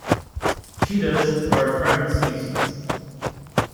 Cheetahs are a threatened species.